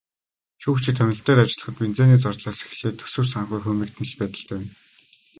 Шүүгчид томилолтоор ажиллахад бензиний зардлаас эхлээд төсөв санхүү хумигдмал байдалтай байна.